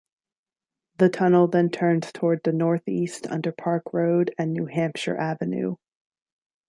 The tunnel then turns toward the northeast under Park Road and New Hampshire Avenue.